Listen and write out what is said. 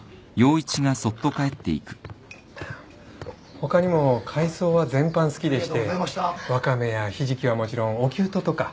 他にも海藻は全般好きでしてワカメやヒジキはもちろんおきゅうととか。